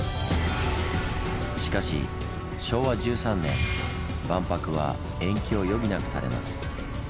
しかし昭和１３年万博は延期を余儀なくされます。